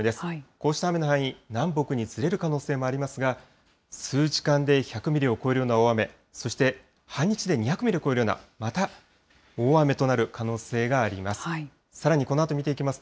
こうした雨の範囲、南北にずれる可能性もありますが、数時間で１００ミリを超えるような大雨、そして半日で２００ミリを超えるような、また大雨となる可能性があります。